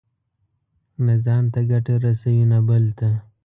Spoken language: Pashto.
نه ځان ته ګټه رسوي، نه بل ته.